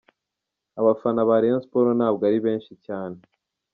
Abafana ba Rayon Sports ntabwo bari besnhi cyane .